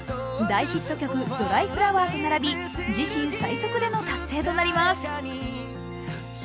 大ヒット曲「ドライフラワー」と並び自身最速での達成となります。